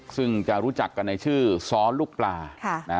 ซึ่งจะรู้จักกันในชื่อซ้อลูกปลา